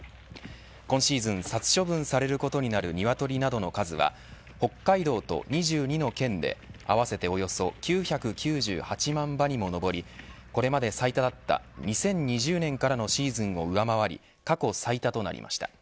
今シーズン、殺処分されることになるニワトリなどの数は北海道と２２の県で合わせておよそ９９８万羽にも上りこれまで最多だった２０２０年からのシーズンを上回り過去最多となりました。